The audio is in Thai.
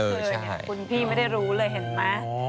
เคยเนี่ยคุณพี่ไม่ได้รู้เลยเห็นไหม